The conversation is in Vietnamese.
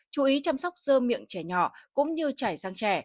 chú ý chăm sóc dơ miệng trẻ nhỏ cũng như chảy sang trẻ